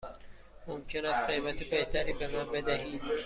ممکن است قیمت بهتری به من بدهید؟